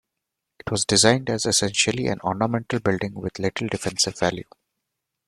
It was designed as essentially an ornamental building, with little defensive value.